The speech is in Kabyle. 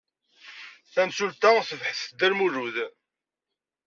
Tamsulta tebḥet Dda Lmulud.